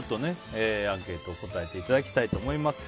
アンケート答えていただきたいと思います。